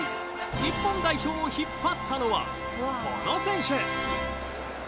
日本代表を引っ張ったのはこの選手。